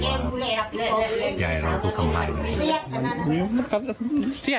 เวลาที่ใหญ่เราก็ขังแบบนี้